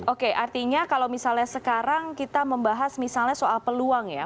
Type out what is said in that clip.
oke artinya kalau misalnya sekarang kita membahas misalnya soal peluang ya